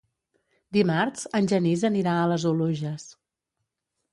Dimarts en Genís anirà a les Oluges.